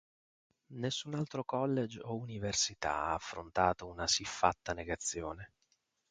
Nessun altro college o università ha affrontato una siffatta negazione.